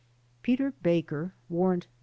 Peter Baker (Warrant No.